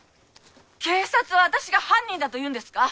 警察は私が犯人だと言うんですか？